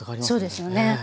そうですよね。